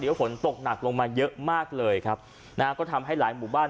ก็ฝนตกหนักลงมาเยอะมากเลยครับนะฮะก็ทำให้หลายหมู่บ้าน